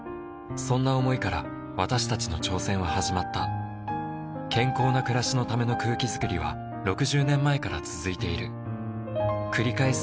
そんな想いから私たちの挑戦は始まった健康な暮らしのための空気づくりは６０年前から続いている繰り返す